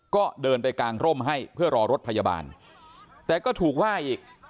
ก็เดินไปกางร่มให้เพื่อรอรถพยาบาลแต่ก็ถูกว่าอีก